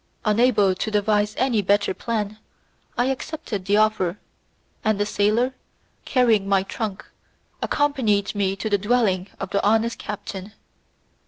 Unable to devise any better plan, I accepted the offer, and a sailor, carrying my trunk, accompanied me to the dwelling of the honest captain.